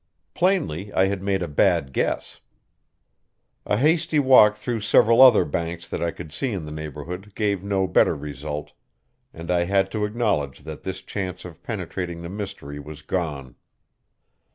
Plainly I had made a bad guess. A hasty walk through several other banks that I could see in the neighborhood gave no better result, and I had to acknowledge that this chance of penetrating the mystery was gone.